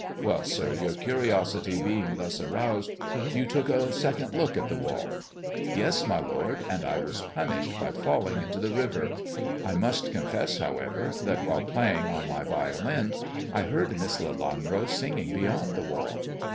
Well, sir, your curiosity heing thus roused, you took a second look at the wall." " Yes, my lord ; and I was punished by falling into the nver. I must confess, however, that while playing on my violin, I heard Miss Lelanro singing beyond the wall."